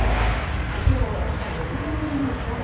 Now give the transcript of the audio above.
街を襲った横殴りのひょう。